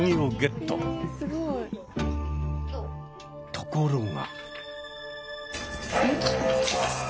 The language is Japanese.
ところが。